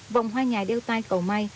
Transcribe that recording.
vòng hoa nhài đeo tay cầu may